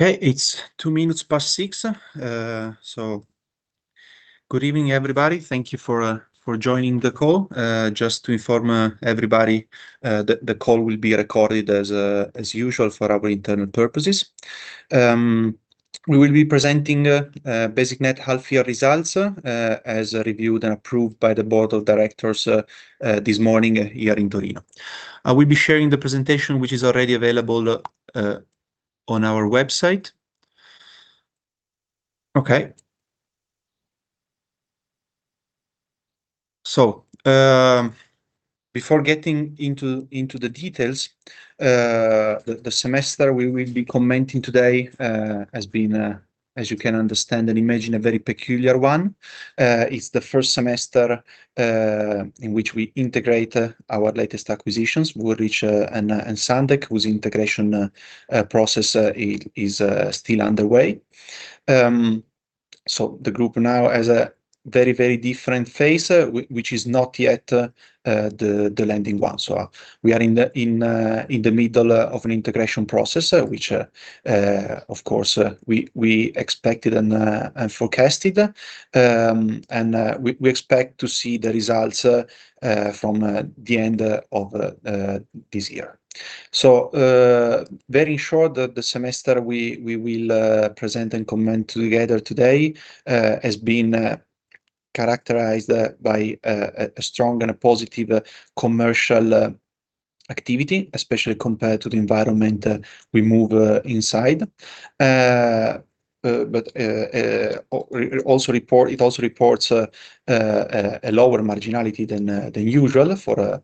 It's two minutes past 6:00. Good evening, everybody. Thank you for joining the call. Just to inform everybody, the call will be recorded as usual for our internal purposes. We will be presenting BasicNet half-year results, as reviewed and approved by the board of directors this morning here in Torino. I will be sharing the presentation, which is already available on our website. Before getting into the details, the semester we will be commenting today has been, as you can understand and imagine, a very peculiar one. It's the first semester in which we integrate our latest acquisitions, Woolrich and Sundek, whose integration process is still underway. The group now has a very different phase, which is not yet the landing one. We are in the middle of an integration process which, of course, we expected and forecasted. We expect to see the results from the end of this year. Very short, the semester we will present and comment together today, has been characterized by a strong and a positive commercial activity, especially compared to the environment we move inside. It also reports a lower marginality than usual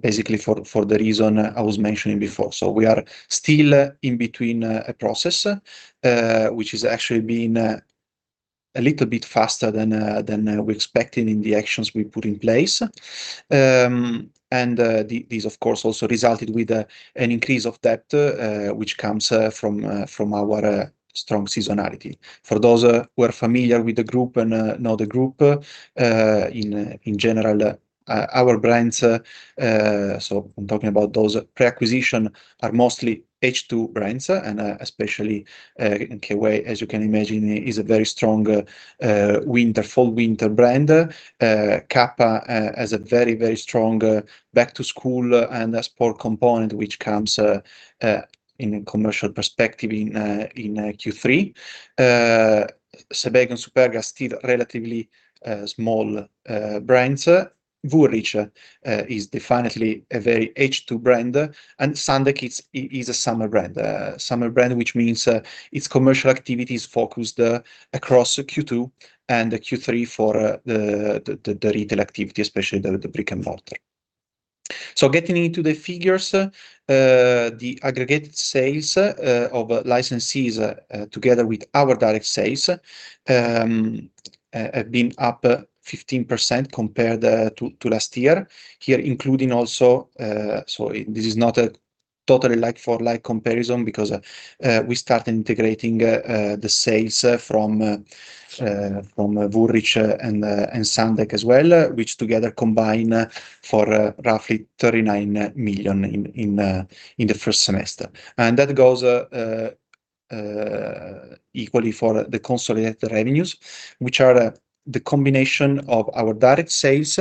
basically for the reason I was mentioning before. We are still in between a process which has actually been a little bit faster than we expected in the actions we put in place. This, of course, also resulted with an increase of debt, which comes from our strong seasonality. For those who are familiar with the group and know the group, in general, our brands, I am talking about those pre-acquisition, are mostly H2 brands, and especially K-Way, as you can imagine, is a very strong fall/winter brand. Kappa has a very strong back-to-school and a sport component, which comes in a commercial perspective in Q3. Sebago and Superga are still relatively small brands. Woolrich is definitely a very H2 brand, and Sundek is a summer brand which means its commercial activity is focused across the Q2 and the Q3 for the retail activity, especially the brick-and-mortar. Getting into the figures, the aggregate sales of licensees, together with our direct sales, have been up 15% compared to last year. Here including also, this is not a totally like-for-like comparison because we start integrating the sales from Woolrich and Sundek as well, which together combine for roughly 39 million in the first semester. That goes equally for the consolidated revenues, which are the combination of our direct sales,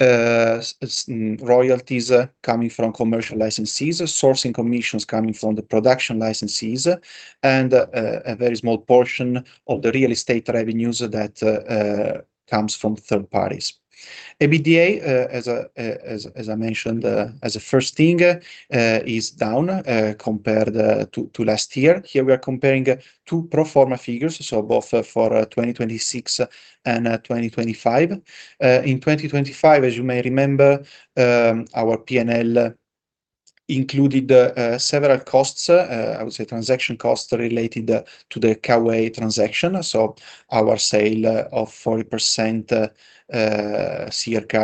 royalties coming from commercial licensees, sourcing commissions coming from the production licensees, and a very small portion of the real estate revenues that comes from third parties. EBITDA, as I mentioned as a first thing, is down compared to last year. Here we are comparing two pro forma figures, both for 2026 and 2025. In 2025, as you may remember, our P&L included several costs, I would say transaction costs related to the K-Way transaction. Our sale of 40% circa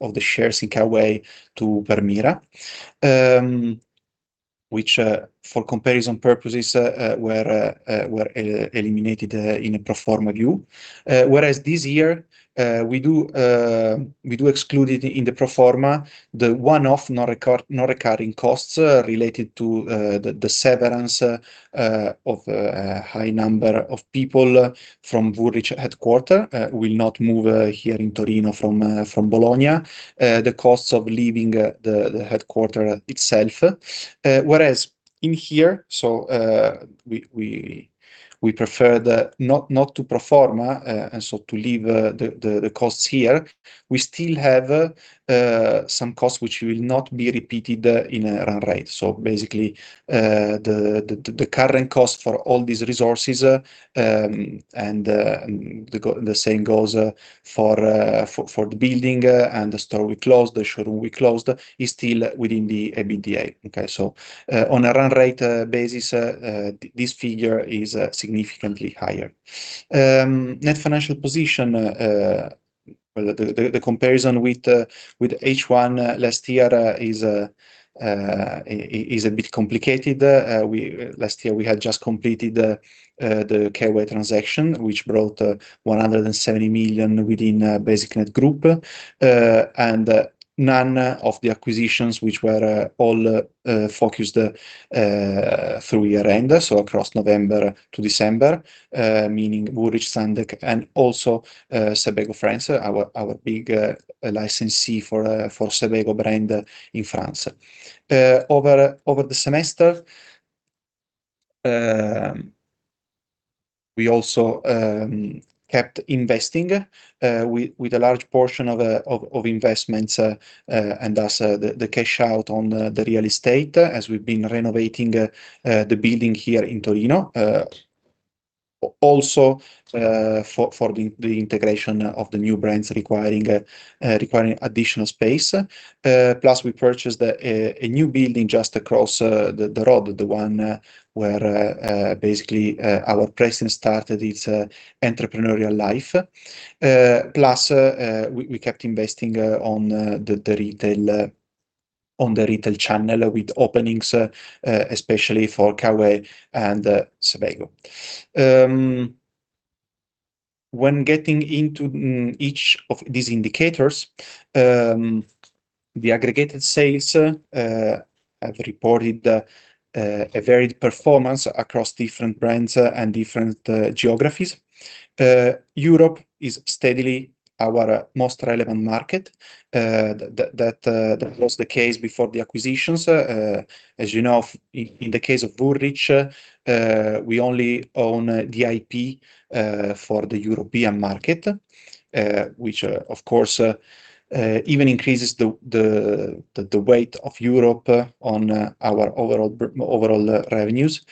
of the shares in K-Way to Permira, which, for comparison purposes, were eliminated in a pro forma view. The one-off non-recurring costs related to the severance of a high number of people from Woolrich headquarter will not move here in Torino from Bologna. The costs of leaving the headquarter itself. In here, we prefer not to pro forma, and so to leave the costs here, we still have some costs which will not be repeated in a run rate. Basically, the current cost for all these resources, and the same goes for the building and the store we closed, the showroom we closed, is still within the EBITDA. Okay. On a run rate basis, this figure is significantly higher. Net financial position, the comparison with H1 last year is a bit complicated. Last year we had just completed the K-Way transaction, which brought 170 million within BasicNet Group. None of the acquisitions, which were all focused through year end, so across November to December, meaning Woolrich, Sundek, and also Sebago France, our big licensee for Sebago brand in France. We also kept investing with a large portion of investments and thus the cash out on the real estate as we've been renovating the building here in Torino. Also, for the integration of the new brands requiring additional space. Plus, we purchased a new building just across the road, the one where basically our presence started its entrepreneurial life. Plus, we kept investing on the retail channel with openings, especially for K-Way and Sebago. When getting into each of these indicators, the aggregated sales have reported a varied performance across different brands and different geographies. Europe is steadily our most relevant market. That was the case before the acquisitions. As you know, in the case of Woolrich, we only own the IP for the European market, which, of course, even increases the weight of Europe on our overall revenues.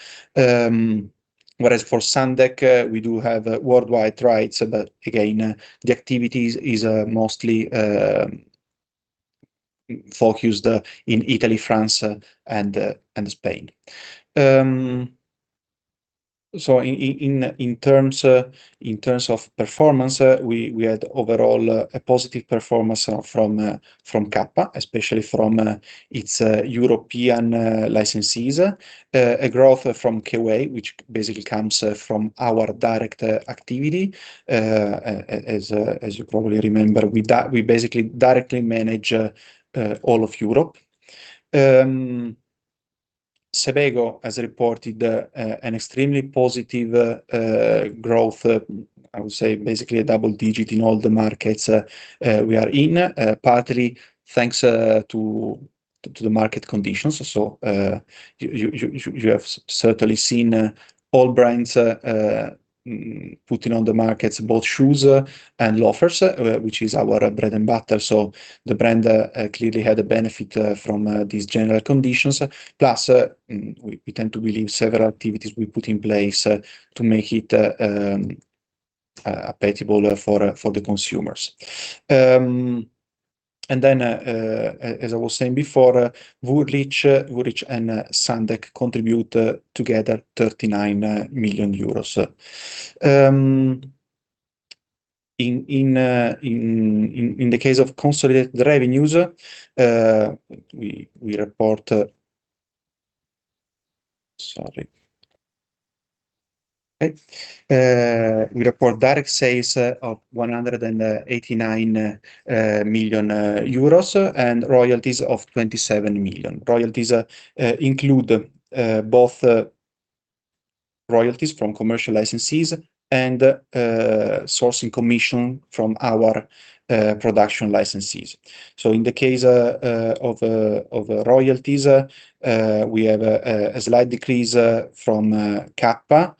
For Sundek, we do have worldwide rights, but again, the activities is mostly focused in Italy, France, and Spain. In terms of performance, we had overall a positive performance from Kappa, especially from its European licensees. A growth from K-Way, which basically comes from our direct activity. As you probably remember, we basically directly manage all of Europe. Sebago has reported an extremely positive growth, I would say basically a double-digit in all the markets we are in, partly thanks to the market conditions. You have certainly seen all brands putting on the markets both shoes and loafers, which is our bread and butter, so the brand clearly had a benefit from these general conditions. Plus, we tend to believe several activities we put in place to make it palatable for the consumers. Then, as I was saying before, Woolrich and Sundek contribute together EUR 39 million. In the case of consolidated revenues, we report direct sales of 189 million euros and royalties of 27 million. Royalties include both royalties from commercial licensees and sourcing commission from our production licensees. In the case of royalties, we have a slight decrease from Kappa,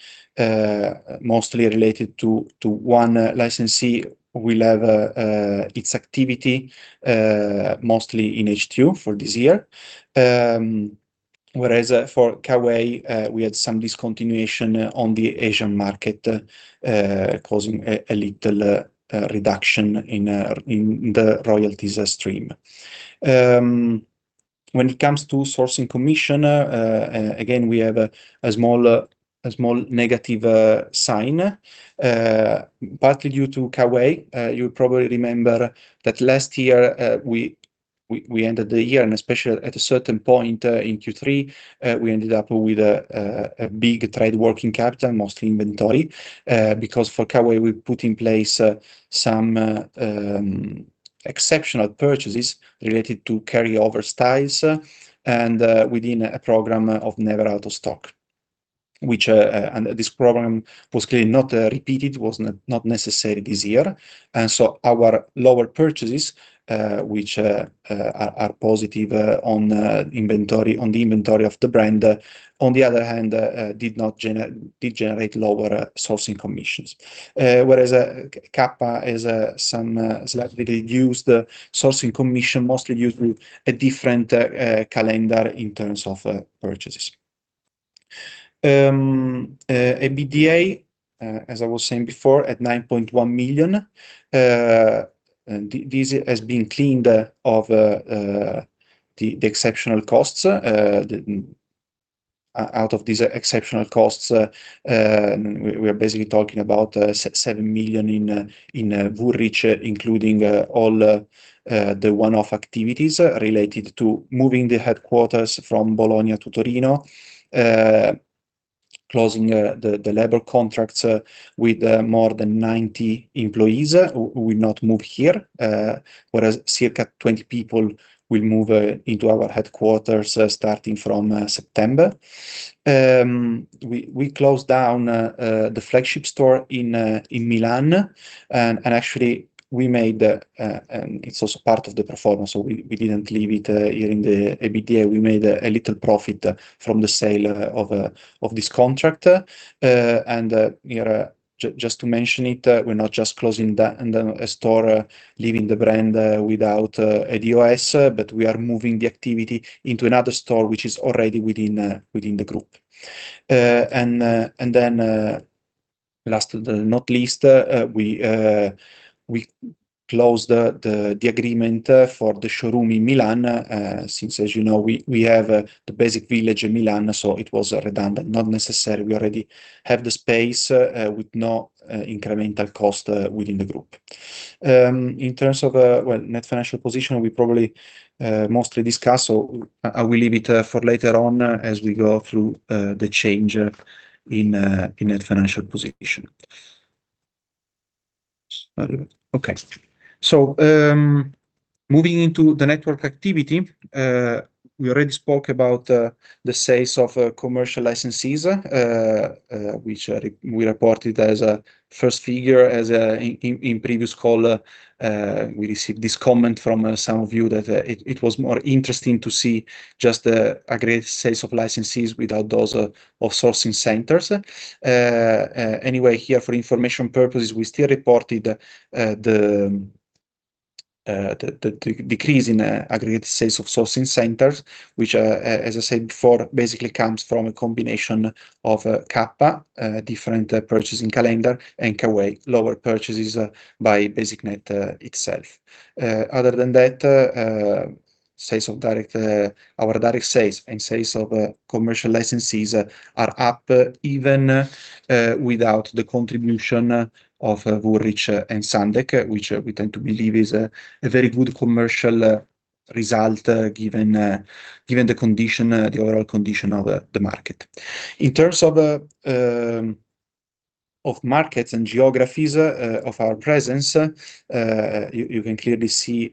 mostly related to one licensee will have its activity, mostly in H2 for this year. For K-Way, we had some discontinuation on the Asian market, causing a little reduction in the royalties stream. When it comes to sourcing commission, again, we have a small negative sign, partly due to K-Way. You probably remember that last year, we ended the year, especially at a certain point in Q3, we ended up with a big trade working capital, mostly inventory, because for K-Way, we put in place some exceptional purchases related to carryover styles and within a program of never out of stock. This program was clearly not repeated, was not necessary this year. So our lower purchases, which are positive on the inventory of the brand, on the other hand, did generate lower sourcing commissions. Whereas Kappa is some slightly reduced sourcing commission, mostly due to a different calendar in terms of purchases. EBITDA, as I was saying before, at 9.1 million. This has been cleaned of the exceptional costs. Out of these exceptional costs, we are basically talking about 7 million in Woolrich, including all the one-off activities related to moving the headquarters from Bologna to Torino. Closing the labor contracts with more than 90 employees who will not move here, whereas circa 20 people will move into our headquarters starting from September. We closed down the flagship store in Milan. Actually, it's also part of the performance, so we didn't leave it here in the EBITDA. We made a little profit from the sale of this contract. Just to mention it, we're not just closing down the store, leaving the brand without a DOS, but we are moving the activity into another store which is already within the group. Then last but not least, we closed the agreement for the showroom in Milan. Since, as you know, we have the Basic Village in Milan, so it was redundant, not necessary. We already have the space with no incremental cost within the group. In terms of net financial position, we probably mostly discussed, so I will leave it for later on as we go through the change in net financial position. Okay. Moving into the network activity. We already spoke about the sales of commercial licensees, which we reported as a first figure. In previous call, we received this comment from some of you that it was more interesting to see just the aggregate sales of licensees without those outsourcing centers. Anyway, here for information purposes, we still reported the decrease in aggregate sales of sourcing centers, which, as I said before, basically comes from a combination of Kappa, different purchasing calendar, and K-Way, lower purchases by BasicNet itself. Other than that, our direct sales and sales of commercial licensees are up even without the contribution of Woolrich and Sundek, which we tend to believe is a very good commercial result given the overall condition of the market. In terms of markets and geographies of our presence, you can clearly see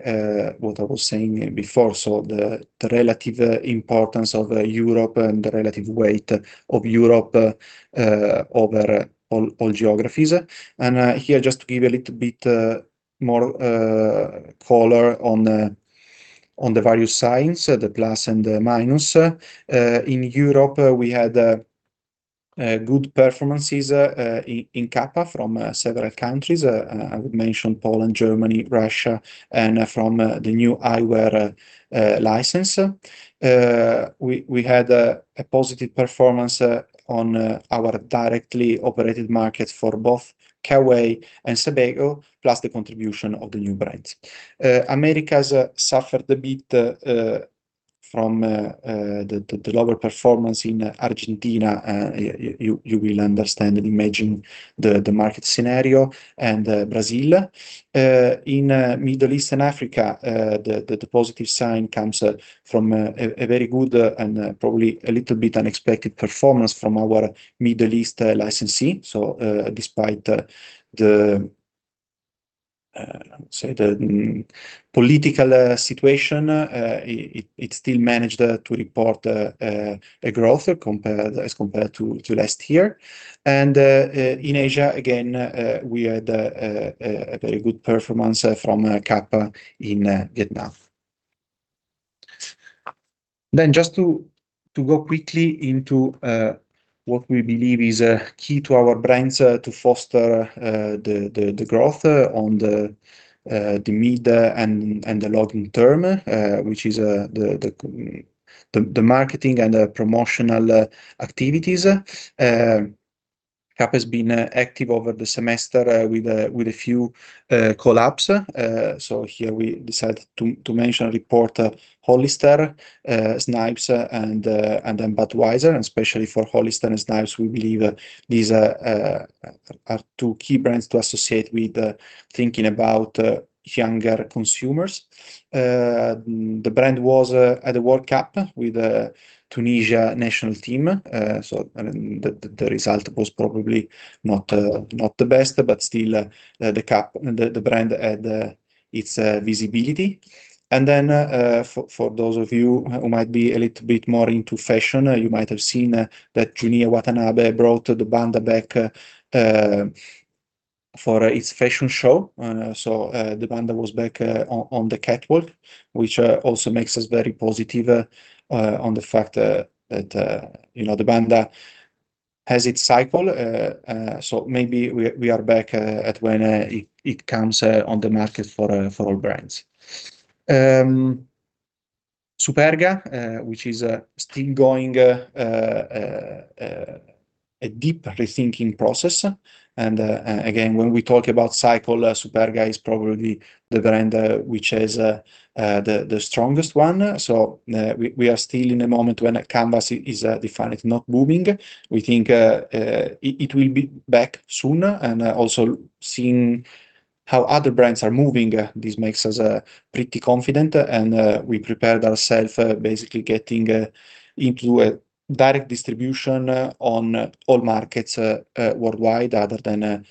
what I was saying before, so the relative importance of Europe and the relative weight of Europe over all geographies. Here, just to give a little bit more color on the various signs, the plus and the minus. In Europe, we had good performances in Kappa from several countries. I would mention Poland, Germany, Russia, and from the new eyewear license. We had a positive performance on our directly operated market for both K-Way and Sebago, plus the contribution of the new brands. Americas suffered a bit from the lower performance in Argentina. You will understand and imagine the market scenario in Brazil. In Middle East and Africa, the positive sign comes from a very good and probably a little bit unexpected performance from our Middle East licensee. Despite the political situation, it still managed to report a growth as compared to last year. In Asia, again, we had a very good performance from Kappa in Vietnam. Just to go quickly into what we believe is key to our brands to foster the growth on the mid and the long-term, which is the marketing and the promotional activities. Kappa's been active over the semester with a few collabs. Here we decided to mention, report Hollister, Snipes, and Budweiser, and especially for Hollister and Snipes, we believe these are two key brands to associate with thinking about younger consumers. The brand was at the World Cup with Tunisia national team. The result was probably not the best, but still the brand had its visibility. For those of you who might be a little bit more into fashion, you might have seen that Junya Watanabe brought the brand back for its fashion show. The brand was back on the catwalk, which also makes us very positive on the fact that the brand has its cycle. Maybe we are back at when it comes on the market for all brands. Superga, which is still going a deep rethinking process. Again, when we talk about cycle, Superga is probably the brand which is the strongest one. We are still in a moment when a canvas is definitely not moving. We think it will be back soon, and also seeing how other brands are moving, this makes us pretty confident and we prepared ourself basically getting into a direct distribution on all markets worldwide other than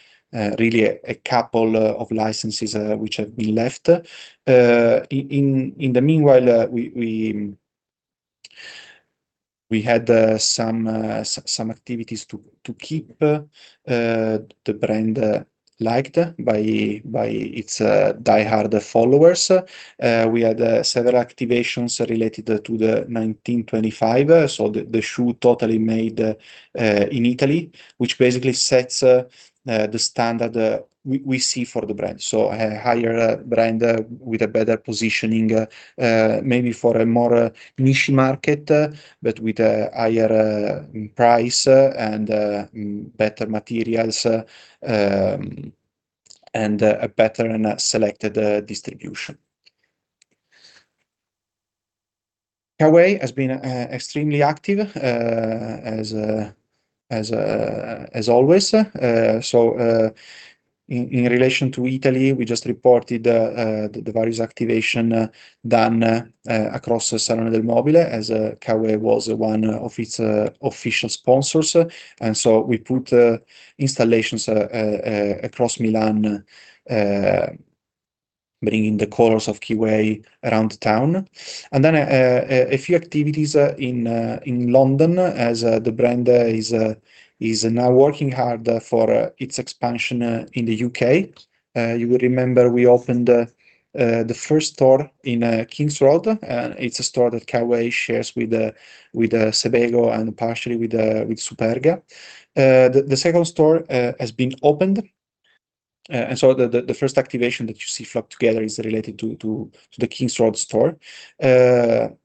really a couple of licenses which have been left. In the meanwhile, we had some activities to keep the brand liked by its diehard followers. We had several activations related to the 1925, so the shoe totally made in Italy, which basically sets the standard we see for the brand. A higher brand with a better positioning, maybe for a more niche market, but with a higher price and better materials, and a better and selected distribution. K-Way has been extremely active as always. In relation to Italy, we just reported the various activation done across the Salone del Mobile as K-Way was one of its official sponsors, we put installations across Milan, bringing the colors of K-Way around town. A few activities in London as the brand is now working hard for its expansion in the U.K. You will remember we opened the first store in Kings Road, and it's a store that K-Way shares with Sebago and partially with Superga. The second store has been opened, the first activation that you see flocked together is related to the Kings Road store.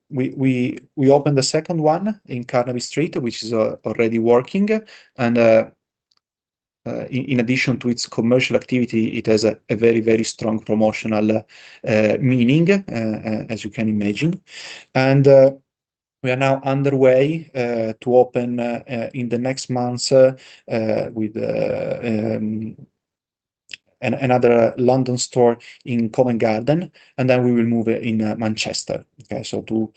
We opened the second one in Carnaby Street, which is already working, in addition to its commercial activity, it has a very strong promotional meaning, as you can imagine. We are now underway to open in the next months with another London store in Covent Garden. We will move in Manchester to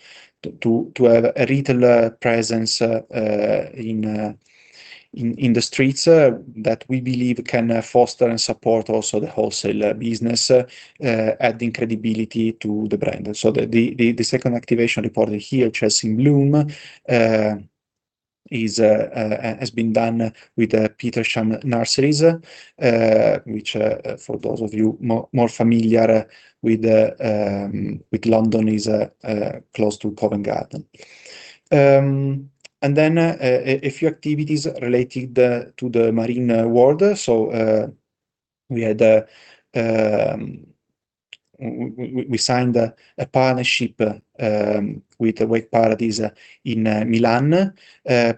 have a retail presence in the streets that we believe can foster and support also the wholesale business, adding credibility to the brand. The second activation reported here, Chelsea in Bloom, has been done with Petersham Nurseries, which for those of you more familiar with London, is close to Covent Garden. A few activities related to the marine world. We signed a partnership with Wakeparadise in Milan,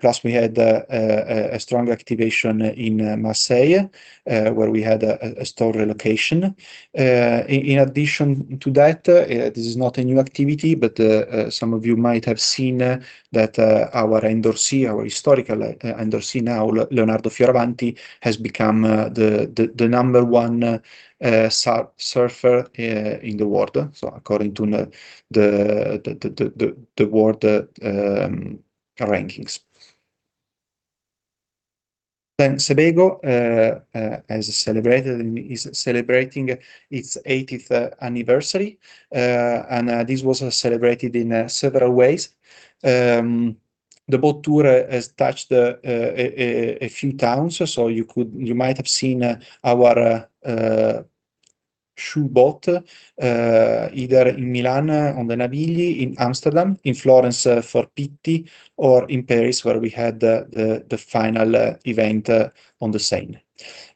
plus we had a strong activation in Marseille, where we had a store relocation. In addition to that, this is not a new activity, but some of you might have seen that our historical endorsee now, Leonardo Fioravanti, has become the number one surfer in the world. According to the world rankings. Sebago is celebrating its 80th anniversary, and this was celebrated in several ways. The boat tour has touched a few towns. You might have seen our shoe boat, either in Milan on the Navigli, in Amsterdam, in Florence for Pitti, or in Paris, where we had the final event on the Seine.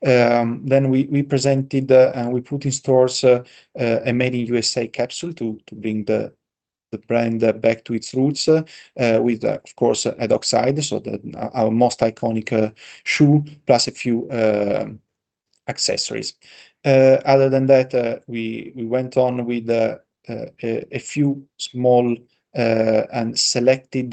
We presented and we put in stores a made in U.S.A. capsule to bring the brand back to its roots, with, of course, Docksides, our most iconic shoe, plus a few accessories. Other than that, we went on with a few small and selected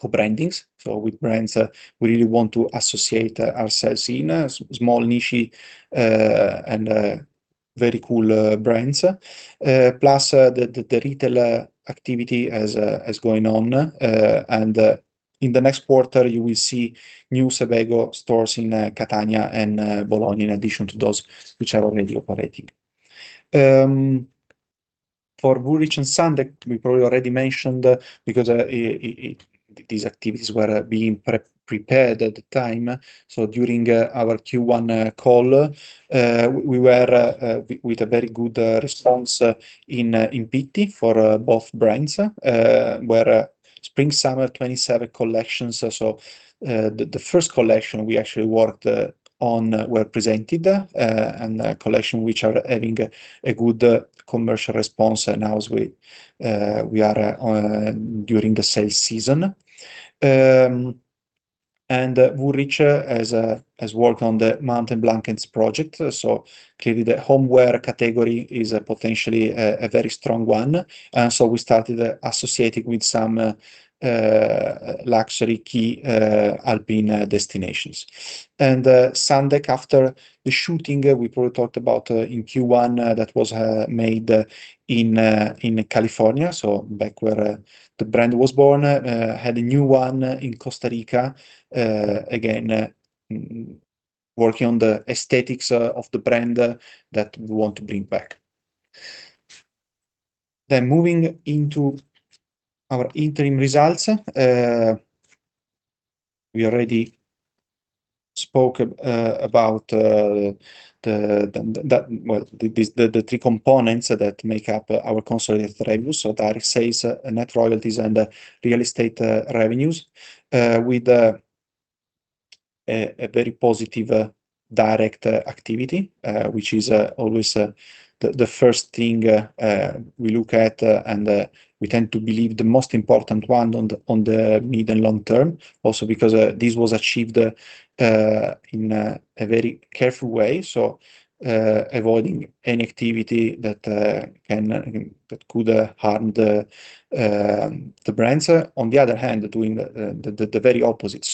co-brandings, with brands we really want to associate ourselves in, small niche and very cool brands. Plus the retailer activity is going on, and in the next quarter you will see new Sebago stores in Catania and Bologna in addition to those which are already operating. For Woolrich and Sundek, we probably already mentioned because these activities were being prepared at the time. During our Q1 call, we were with a very good response in Pitti for both brands, where Spring-Summer 2027 collections, the first collection we actually worked on were presented, and collection which are having a good commercial response now as we are during the sale season. Woolrich has worked on the Mountain Blankets project. Clearly, the homeware category is potentially a very strong one. We started associating with some luxury key alpine destinations. Sundek, after the shooting, we probably talked about in Q1 that was made in California, back where the brand was born, had a new one in Costa Rica. Again, working on the aesthetics of the brand that we want to bring back. Moving into our interim results. We already spoke about the three components that make up our consolidated revenues, direct sales, net royalties, and real estate revenues, with a very positive direct activity, which is always the first thing we look at, and we tend to believe the most important one on the mid and long term. Also because this was achieved in a very careful way, avoiding any activity that could harm the brands. On the other hand, doing the very opposite.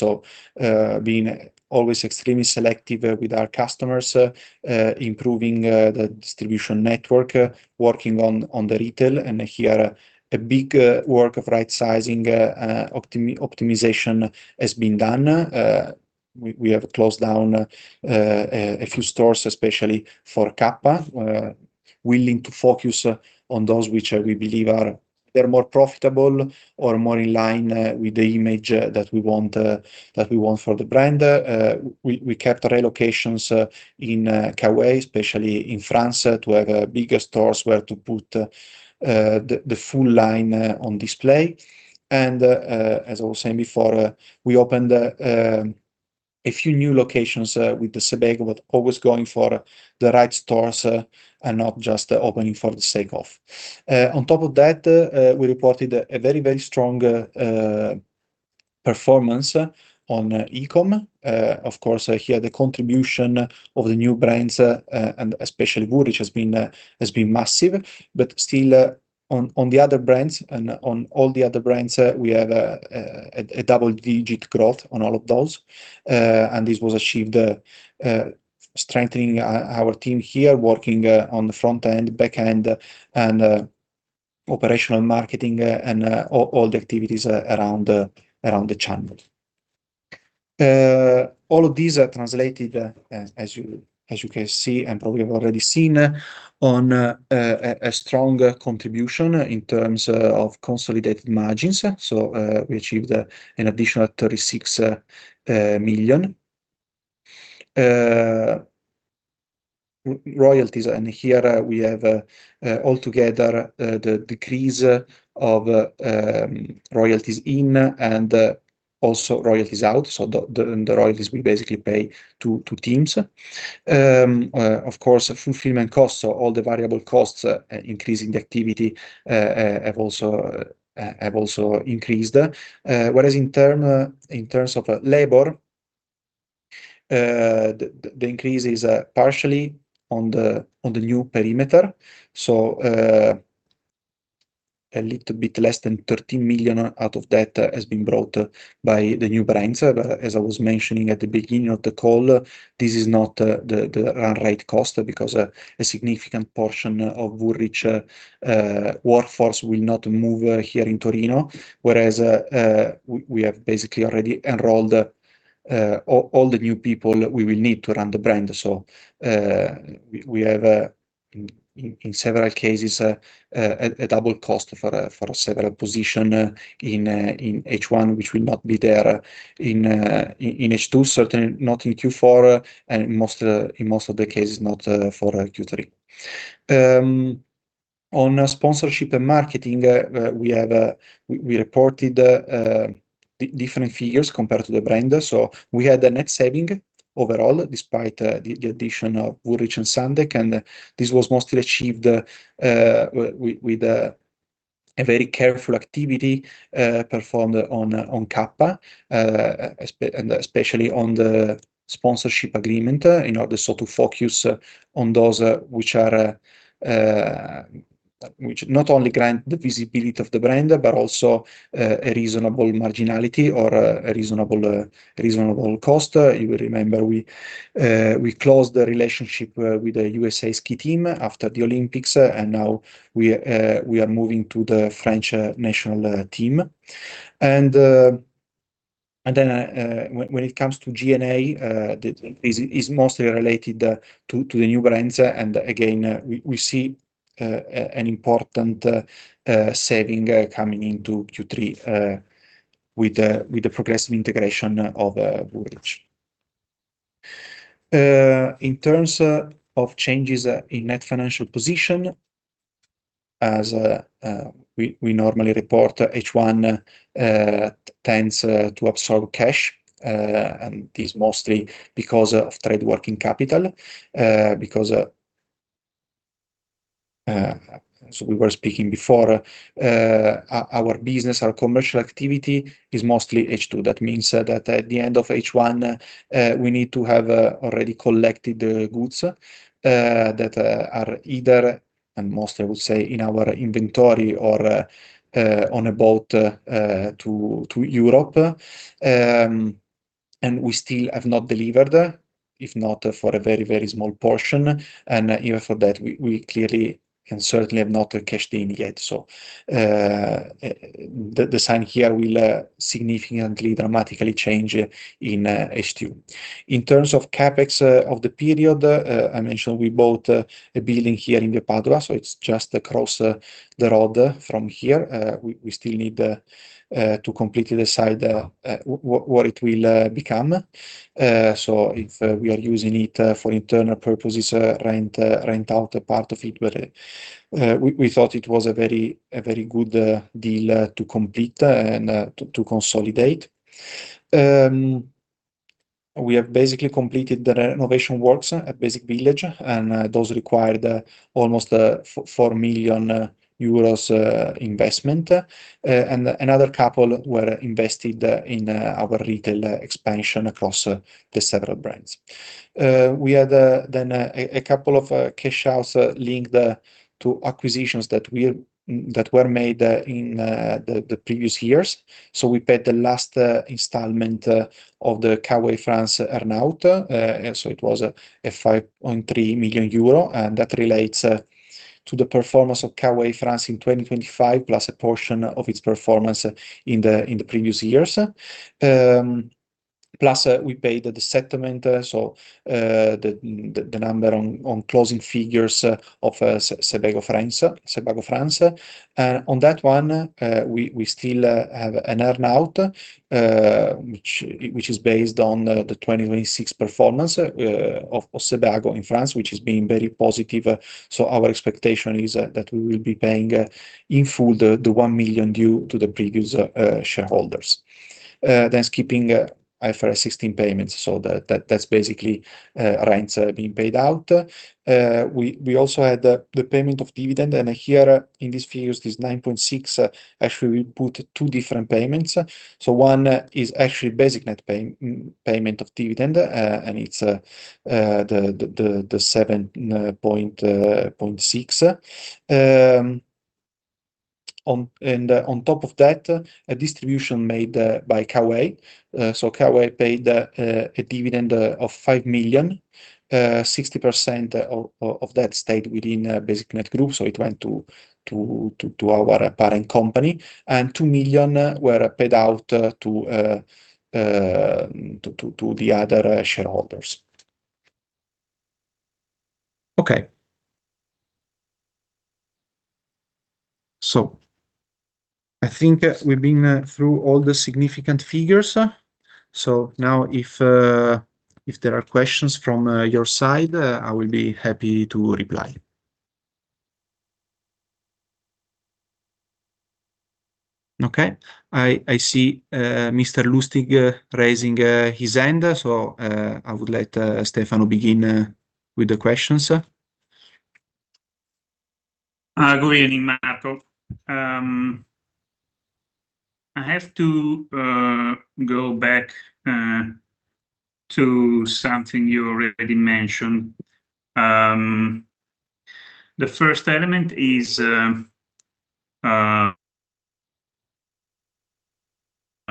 Being always extremely selective with our customers, improving the distribution network, working on the retail, and here a big work of right-sizing optimization has been done. We have closed down a few stores, especially for Kappa. Willing to focus on those which we believe are more profitable or more in line with the image that we want for the brand. We kept relocations in K-Way, especially in France, to have bigger stores where to put the full line on display. As I was saying before, we opened a few new locations with the Sebago, but always going for the right stores and not just opening for the sake of. On top of that, we reported a very strong performance on e-com. Here the contribution of the new brands, and especially Woolrich, has been massive. Still on the other brands and on all the other brands, we have a double-digit growth on all of those. This was achieved strengthening our team here, working on the front end, back end, and operational marketing and all the activities around the channel. All of these are translated, as you can see and probably have already seen, on a strong contribution in terms of consolidated margins. We achieved an additional 36 million. Royalties, here we have altogether the decrease of royalties in and also royalties out, so the royalties we basically pay to teams. Fulfillment costs, so all the variable costs increasing the activity have also increased. Whereas in terms of labor, the increase is partially on the new perimeter. A little bit less than 13 million out of that has been brought by the new brands. As I was mentioning at the beginning of the call, this is not the run rate cost because a significant portion of Woolrich workforce will not move here in Torino. Whereas we have basically already enrolled all the new people we will need to run the brand. We have, in several cases, a double cost for several position in H1 which will not be there in H2, certainly not in Q4, and in most of the cases, not for Q3. On sponsorship and marketing, we reported different figures compared to the brand. We had a net saving overall, despite the addition of Woolrich and Sundek, and this was mostly achieved with a very careful activity performed on Kappa, and especially on the sponsorship agreement, in order so to focus on those which not only grant the visibility of the brand, but also a reasonable marginality or a reasonable cost. You will remember we closed the relationship with the U.S. Ski Team after the Olympics, and now we are moving to the French national team. When it comes to G&A, is mostly related to the new brands. Again, we see an important saving coming into Q3 with the progressive integration of Woolrich. In terms of changes in net financial position, as we normally report, H1 tends to absorb cash, is mostly because of trade working capital. As we were speaking before, our business, our commercial activity is mostly H2. That means that at the end of H1, we need to have already collected the goods that are either, and most I would say, in our inventory or on a boat to Europe. We still have not delivered, if not for a very small portion, and even for that, we clearly and certainly have not cashed in yet. The sign here will significantly, dramatically change in H2. In terms of CAPEX of the period, I mentioned we bought a building here in Padua, so it is just across the road from here. We still need to completely decide what it will become. If we are using it for internal purposes, rent out a part of it. We thought it was a very good deal to complete and to consolidate. We have basically completed the renovation works at Basic Village, those required almost 4 million euros investment. Another couple were invested in our retail expansion across the several brands. We had then a couple of cash outs linked to acquisitions that were made in the previous years. We paid the last installment of the K-Way France earn-out. It was a 5.3 million euro, and that relates to the performance of K-Way France in 2025, plus a portion of its performance in the previous years. We paid the settlement, the number on closing figures of Sebago France. On that one, we still have an earn-out which is based on the 2026 performance of Sebago in France, which has been very positive. Our expectation is that we will be paying in full the 1 million due to the previous shareholders. Keeping IFRS 16 payments, that is basically rents being paid out. We also had the payment of dividend, here in this figure, this 9.6, actually we put two different payments. One is actually BasicNet payment of dividend, it is the 7.6. On top of that, a distribution made by K-Way. K-Way paid a dividend of 5 million. 60% of that stayed within BasicNet Group, it went to our parent company, 2 million were paid out to the other shareholders. Okay. I think we have been through all the significant figures. Now if there are questions from your side, I will be happy to reply. Okay. I see Mr. Lustig raising his hand. I would let Stefano begin with the questions. Go ahead, Matteo. I have to go back to something you already mentioned. The first element is a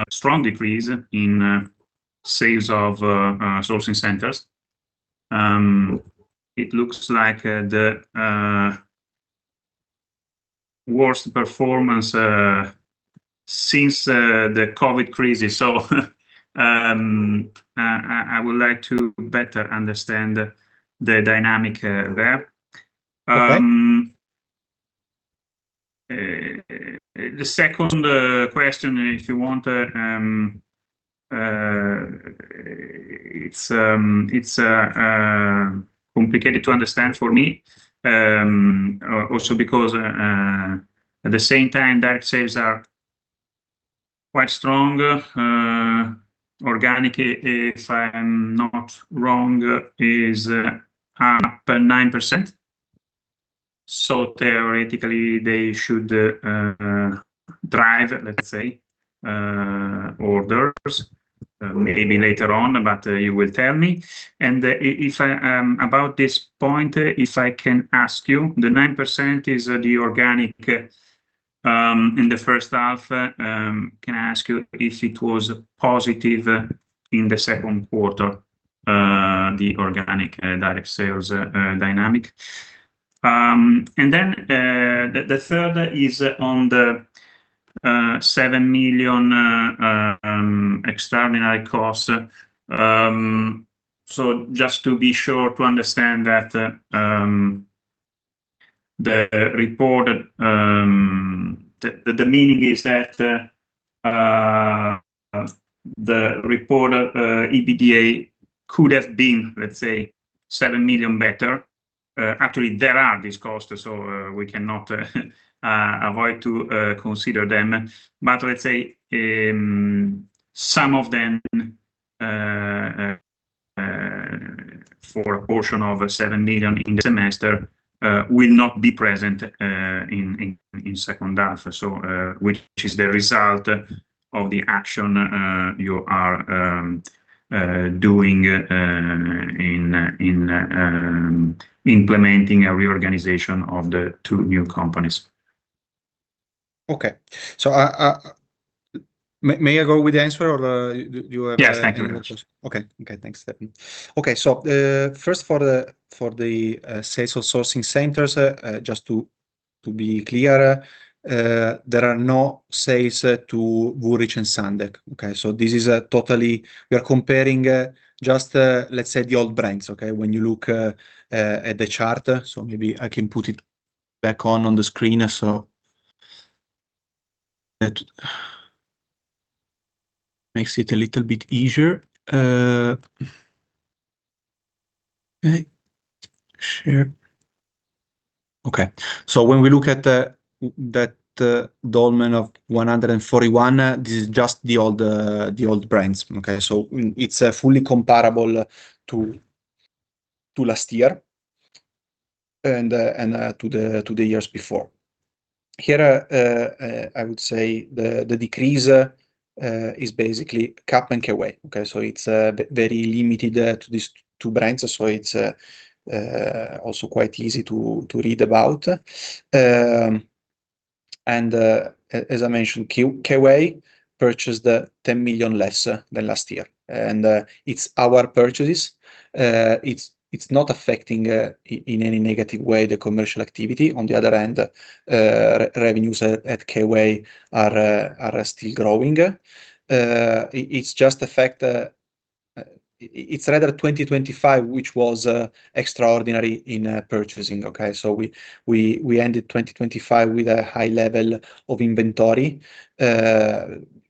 strong decrease in sales of sourcing centers. It looks like the worst performance since the COVID crisis. I would like to better understand the dynamic there. Okay. The second question, if you want, it's complicated to understand for me, also because at the same time direct sales are quite strong. Organic, if I'm not wrong, is up 9%. Theoretically, they should drive, let's say, orders maybe later on, but you will tell me. About this point, if I can ask you, the 9% is the organic in the first half. Can I ask you if it was positive in the second quarter, the organic direct sales dynamic? Then the third is on the EUR 7 million extraordinary cost. Just to be sure to understand that the meaning is that the reported EBITDA could have been, let's say, 7 million better. Actually, there are these costs, so we cannot avoid to consider them. Let's say some of them for a portion of 7 million in the semester will not be present in second half, which is the result of the action you are doing in implementing a reorganization of the two new companies. Okay. May I go with the answer, or do you have? Yes. Thank you very much. Okay. Thanks, Stefano. First for the sales or sourcing centers, just to be clear, there are no sales to Woolrich and Sundek. Okay? We are comparing just, let's say, the old brands when you look at the chart. Maybe I can put it back on the screen so that makes it a little bit easier. Share. Okay. When we look at that column of 141, this is just the old brands. It's fully comparable to last year and to the years before. Here, I would say the decrease is basically Kappa and K-Way. It's very limited to these two brands, it's also quite easy to read about. As I mentioned, K-Way purchased 10 million less than last year, and it's our purchases. It's not affecting in any negative way the commercial activity. On the other hand, revenues at K-Way are still growing. It's rather 2025, which was extraordinary in purchasing. We ended 2025 with a high level of inventory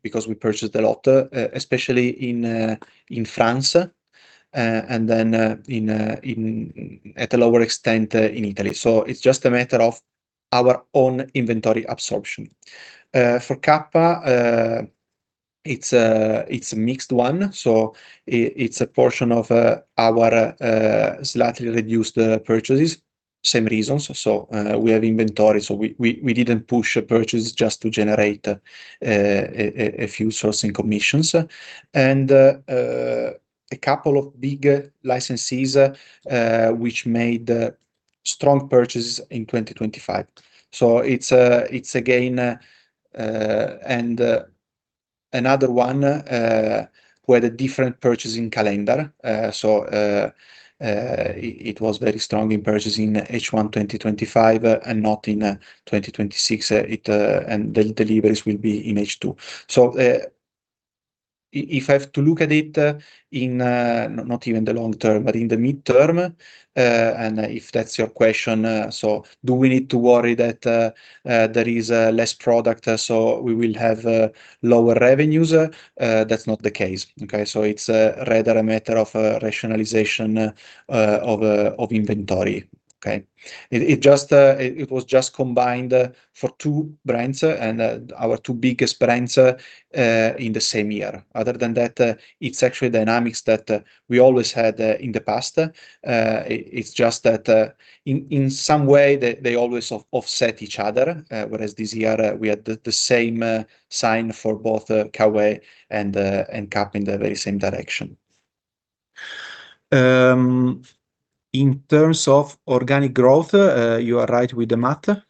because we purchased a lot, especially in France, and then at a lower extent in Italy. It's just a matter of our own inventory absorption. For Kappa, it's a mixed one. It's a portion of our slightly reduced purchases. Same reasons. We have inventory, we didn't push a purchase just to generate a few sourcing commissions, and a couple of big licensees which made strong purchases in 2025. It's again another one with a different purchasing calendar. It was very strong in purchasing H1 2025 and not in 2026, and the deliveries will be in H2. If I have to look at it in not even the long term, but in the midterm, and if that's your question, do we need to worry that there is less product we will have lower revenues? That's not the case. It's rather a matter of rationalization of inventory. It was just combined for two brands and our two biggest brands in the same year. Other than that, it's actually dynamics that we always had in the past. It's just that in some way they always offset each other, whereas this year we had the same sign for both K-Way and Kappa in the very same direction. In terms of organic growth, you are right with the matter,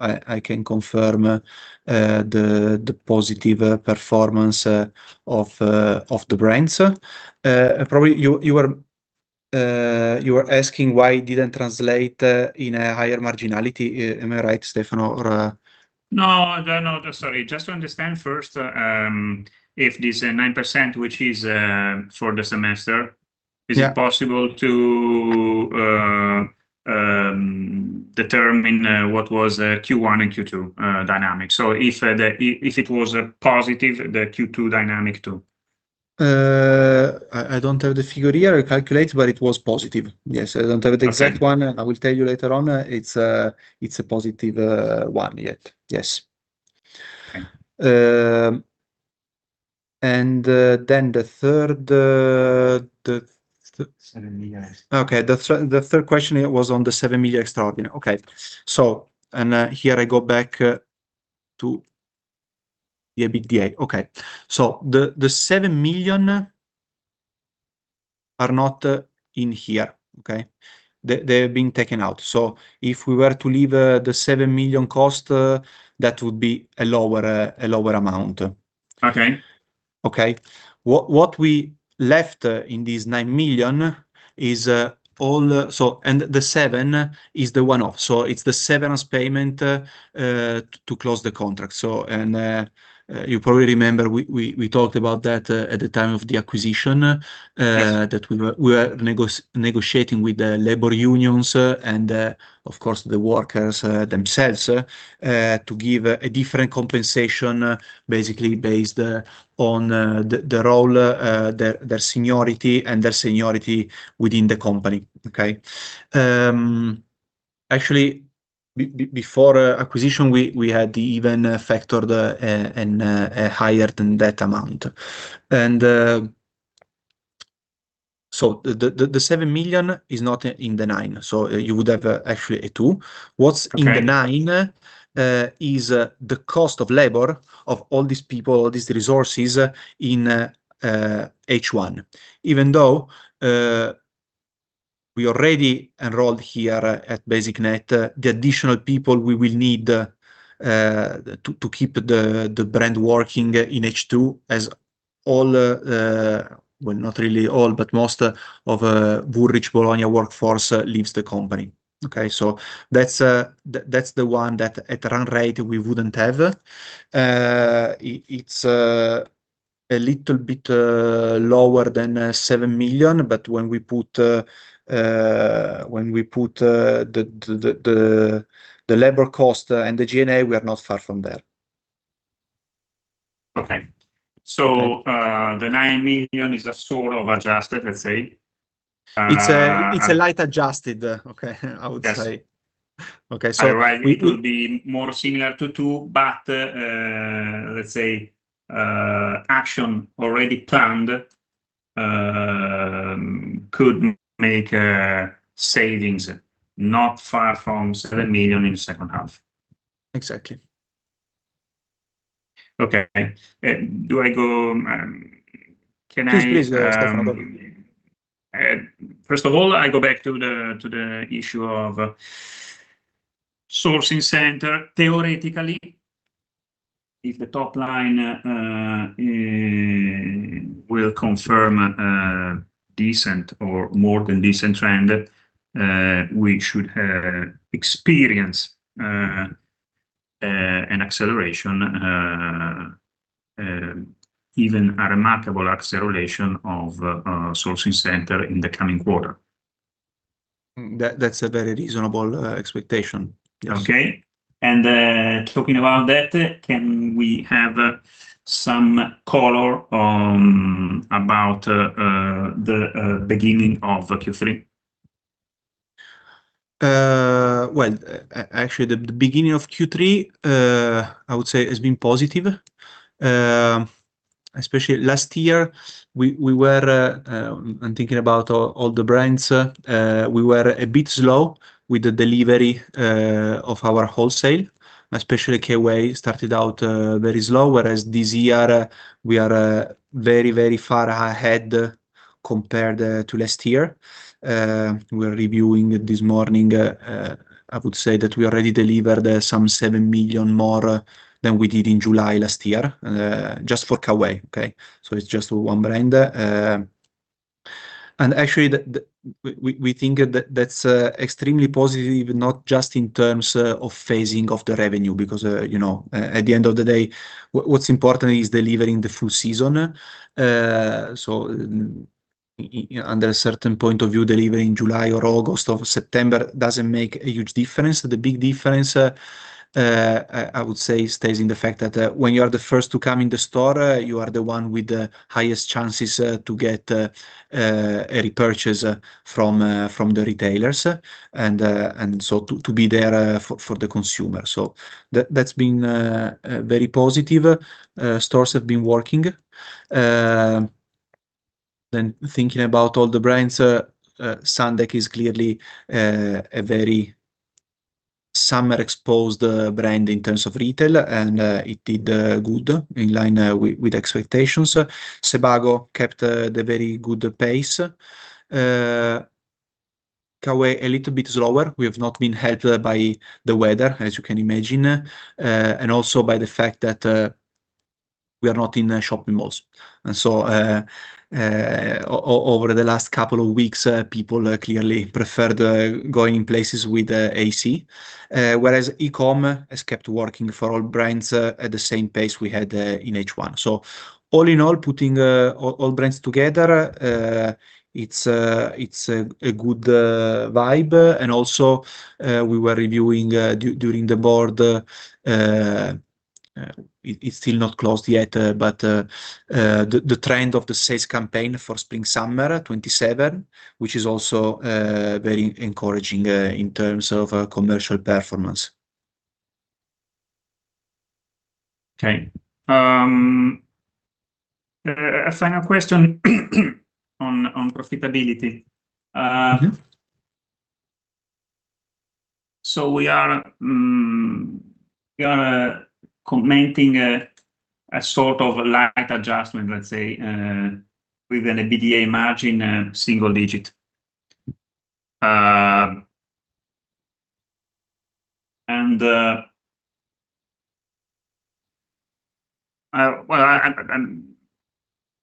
I can confirm the positive performance of the brands. Probably you were asking why it didn't translate in a higher marginality, am I right, Stefano? No, sorry. Just to understand first, if this 9%, which is for the semester. Yeah. Is it possible to determine what was Q1 and Q2 dynamic? If it was positive, the Q2 dynamic too? I don't have the figure here. I calculate, but it was positive. Yes, I don't have the exact one. Okay. I will tell you later on. It's a positive one. Yes. Okay. The third- EUR 7 million Okay. The third question was on the 7 million extraordinary. Okay. Here I go back to the EBITDA. Okay. The 7 million are not in here. Okay? They've been taken out. If we were to leave the 7 million cost, that would be a lower amount. Okay. Okay. What we left in these 9 million, the 7 is the one-off. It's the severance payment to close the contract. You probably remember we talked about that at the time of the acquisition- Yes. We were negotiating with the labor unions and, of course, the workers themselves to give a different compensation, basically based on their seniority and their seniority within the company. Okay. Actually, before acquisition, we had even factored in higher than that amount. The 7 million is not in the 9 million. You would have actually a 2 million. Okay. What's in the 9 million is the cost of labor of all these people, all these resources in H1. Even though we already enrolled here at BasicNet, the additional people we will need to keep the brand working in H2 as all, well, not really all, but most of Woolrich Bologna workforce leaves the company. Okay. That's the one that at run rate we wouldn't have. It's a little bit lower than 7 million, but when we put the labor cost and the G&A, we are not far from there. Okay. The 9 million is a sort of adjusted, let's say. It's a light adjusted, okay, I would say. Yes. Okay. All right. It will be more similar to two, let's say action already planned could make savings not far from 7 million in the second half. Exactly. Okay. Can I. Please, Stefano. Go ahead. First of all, I go back to the issue of sourcing center. Theoretically, if the top line will confirm a decent or more than decent trend, we should experience an acceleration, even a remarkable acceleration of sourcing center in the coming quarter. That's a very reasonable expectation. Yes. Okay. Talking about that, can we have some color about the beginning of Q3? Well, actually the beginning of Q3, I would say, has been positive. Especially last year, I'm thinking about all the brands, we were a bit slow with the delivery of our wholesale, especially K-Way started out very slow, whereas this year we are very, very far ahead compared to last year. We're reviewing this morning, I would say that we already delivered some seven million more than we did in July last year, just for K-Way, okay? It's just one brand. Actually, we think that's extremely positive, not just in terms of phasing of the revenue, because at the end of the day, what's important is delivering the full season. Under a certain point of view, delivering July or August or September doesn't make a huge difference. The big difference, I would say, stays in the fact that when you are the first to come in the store, you are the one with the highest chances to get a repurchase from the retailers, and so to be there for the consumer. That's been very positive. Stores have been working. Thinking about all the brands, Sundek is clearly a very summer-exposed brand in terms of retail, and it did good, in line with expectations. Sebago kept a very good pace. K-Way, a little bit slower. We have not been helped by the weather, as you can imagine, and also by the fact that we are not in shopping malls. Over the last couple of weeks, people clearly prefer going places with AC, whereas e-commerce has kept working for all brands at the same pace we had in H1. All in all, putting all brands together, it's a good vibe, and also we were reviewing during the board, it's still not closed yet, but the trend of the sales campaign for spring/summer 2027, which is also very encouraging in terms of commercial performance. Okay. A final question on profitability. We are commenting a sort of light adjustment, let's say, within the EBITDA margin, single-digit. Well,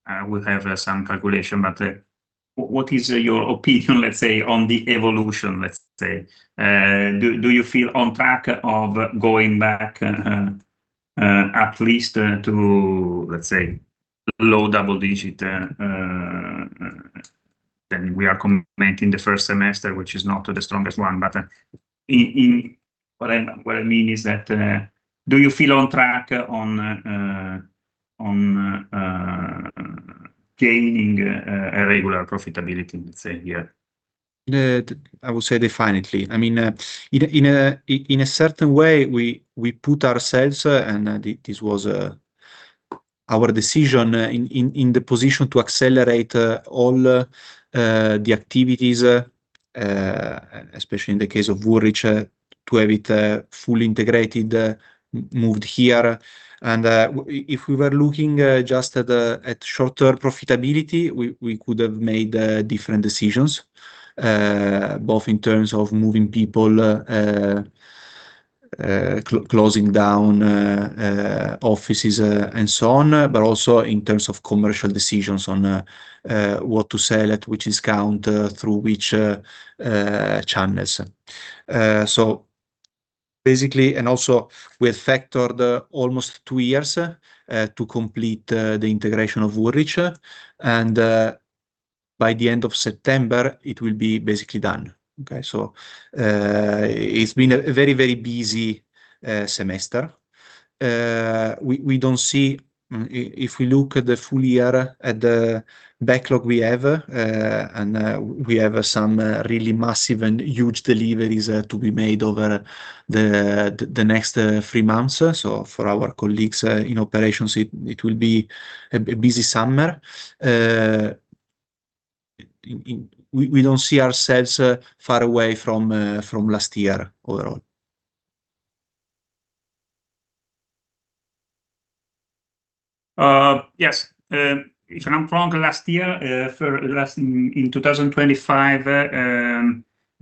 I will have some calculation, but what is your opinion on the evolution? Do you feel on track of going back at least to low double-digit than we are commenting the first semester, which is not the strongest one, but what I mean is that do you feel on track On gaining a regular profitability in, let's say, a year. I would say definitely. In a certain way, we put ourselves, and this was our decision, in the position to accelerate all the activities, especially in the case of Woolrich, to have it fully integrated, moved here. If we were looking just at shorter profitability, we could have made different decisions, both in terms of moving people, closing down offices, and so on, but also in terms of commercial decisions on what to sell, at which discount, through which channels. Basically, and also we have factored almost two years to complete the integration of Woolrich, and by the end of September, it will be basically done. It's been a very busy semester. If we look at the full year at the backlog we have, we have some really massive and huge deliveries to be made over the next three months. For our colleagues in operations, it will be a busy summer. We don't see ourselves far away from last year overall. Yes. If I'm not wrong, last year, in 2025,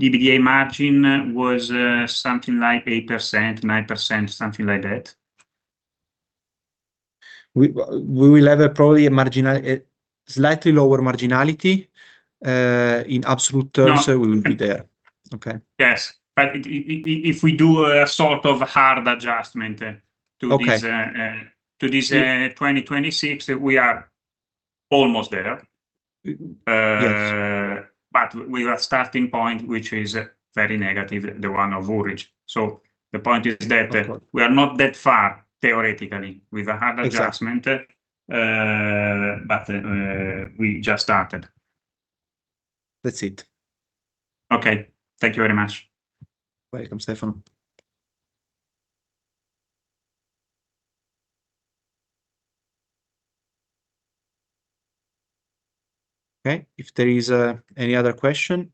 EBITDA margin was something like 8%, 9%, something like that. We will have probably a slightly lower marginality. In absolute terms, we will be there. Okay. Yes. If we do a sort of hard adjustment. Okay. 2026, we are almost there. Yes. We are starting point, which is very negative, the one of Woolrich. The point is that we are not that far theoretically with a hard adjustment. Exactly. We just started. That's it. Okay. Thank you very much. Welcome, Stefano. Okay, if there is any other question.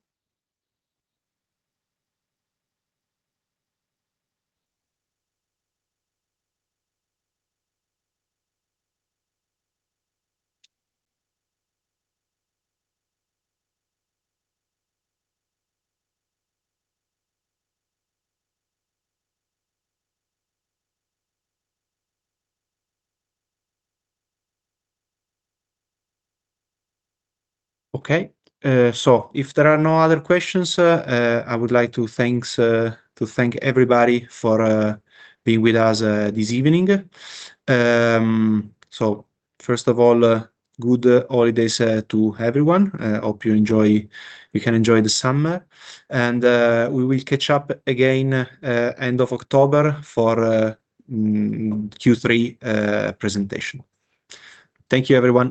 Okay. If there are no other questions, I would like to thank everybody for being with us this evening. First of all, good holidays to everyone. Hope you can enjoy the summer and we will catch up again end of October for Q3 presentation. Thank you, everyone